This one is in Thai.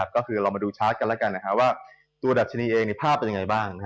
ก็คือเรามาดูชาร์จกันแล้วกันว่าตัวดัชนีเองภาพเป็นยังไงบ้าง